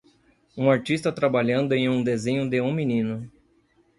Um artista trabalhando em um desenho de um menino.